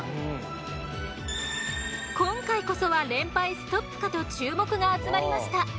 今回こそは連敗ストップかと注目が集まりました。